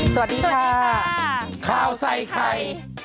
สวัสดีค่ะข้าวใส่ไข่